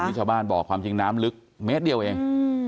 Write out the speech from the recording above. ชาวบ้านบอกความจริงน้ำลึกเมตรเดียวเอง